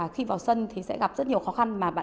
cái này a hay b